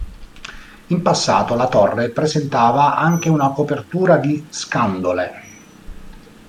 In passato, la torre presentava anche una copertura di scandole.